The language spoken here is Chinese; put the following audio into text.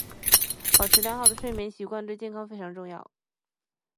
保持良好的睡眠习惯对健康非常重要。